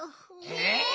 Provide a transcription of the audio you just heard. え！？